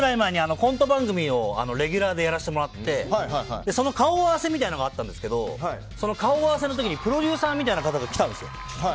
コント番組をレギュラーでやらせてもらってその顔合わせみたいなのがあったんですけどその顔合わせの時にプロデューサーみたいな方が来たんですよ。